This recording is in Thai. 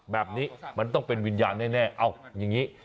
แบบนี้มันต้องเป็นวิญญาณแน่เอาอย่างนี้